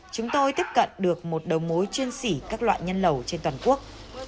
chúng tôi tiếp cận được một đầu mối chuyên sỉ các loại nhân lầu trên toàn quốc